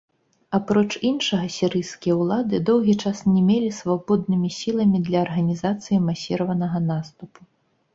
Апроч іншага, сірыйскія ўлады доўгі час не мелі свабоднымі сіламі для арганізацыі масіраванага наступу.